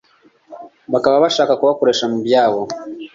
bakaba bashaka kubakoresha mubyabo.